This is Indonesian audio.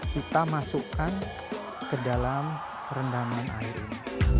kita masukkan ke dalam rendaman air ini